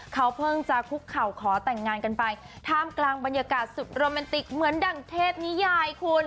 เขาเพิ่งจะคุกเข่าขอแต่งงานกันไปท่ามกลางบรรยากาศสุดโรแมนติกเหมือนดั่งเทพนิยายคุณ